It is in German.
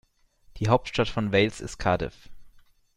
Die Hauptstadt von Wales ist Cardiff.